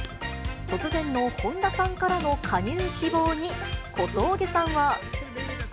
突然の本田さんからの加入希望に小峠さんは。